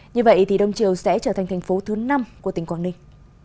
như vậy thì đông triều sẽ trở thành thành phố thứ năm của tỉnh quảng ninh